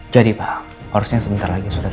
jadi pak harusnya sebentar lagi sudah datang